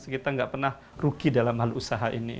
kita nggak pernah rugi dalam hal usaha ini